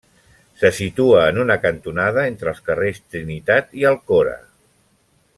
Se situa en una cantonada, entre els carrers Trinitat i Alcora.